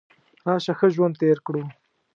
راشه ښه ژوند تیر کړو .